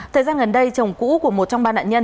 thời gian gần đây chồng cũ của một trong ba nạn nhân